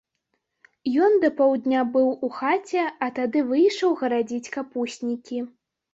Ён да паўдня быў у хаце, а тады выйшаў гарадзіць капуснікі.